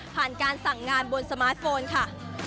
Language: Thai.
ผ่านการสั่งงานบนสมาร์ทโฟนค่ะ